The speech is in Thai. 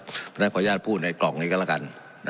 เพราะฉะนั้นขออนุญาตพูดในกล่องนี้ก็แล้วกัน